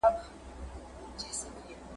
پاچهي وه د وطن د دنیادارو ,